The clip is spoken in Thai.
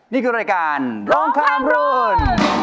นี่ก็รายการด้องต่างว่าน